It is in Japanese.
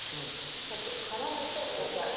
ソースを絡めて召し上がって。